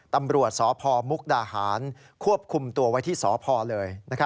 ตำรวจสพมุกดาหารควบคุมตัวไว้ที่สพเลย